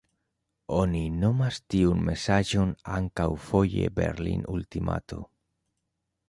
Oni nomas tiun mesaĝon ankaŭ foje Berlin-ultimato.